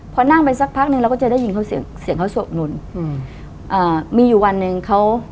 พอนั่งไปสักพักหนึ่งเราก็จะได้ยินเสียงเขาสวบหนุนมีอยู่วันหนึ่งเขา